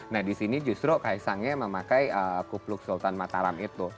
nah di sini justru kaisangnya yang memakai kupluk sultan mataram itu